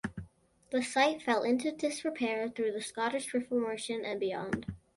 The site fell into disrepair through the Scottish Reformation and beyond.